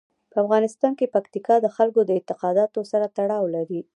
په افغانستان کې پکتیکا د خلکو د اعتقاداتو سره تړاو لري.